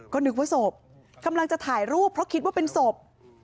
ก็นึกว่าโสบคำนั้นจะถ่ายรูปเพราะคิดว่าเป็นโสบ